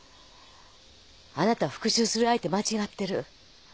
あなた復讐する相手間違ってる。